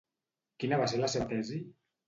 Quina va ser la seva tesi?